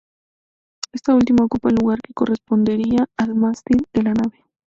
Esta última ocupa el lugar que correspondería al mástil de la nave.